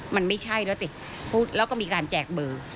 มันไม่ใช่แล้วสิแล้วก็มีการแจกเบอร์